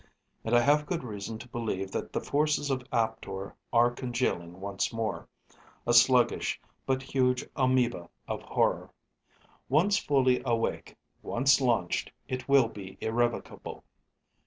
And I have good reason to believe that the forces of Aptor are congealing once more, a sluggish but huge amoeba of horror. Once fully awake, once launched, it will be irrevocable.